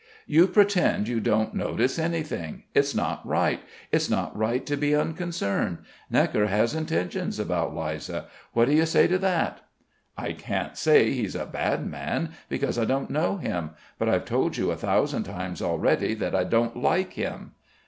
"You pretend you don't notice anything. It's not right: It's not right to be unconcerned. Gnekker has intentions about Liza. What do you say to that?" "I can't say he's a bad man, because I don't know him; but I've told you a thousand times already that I don't like him."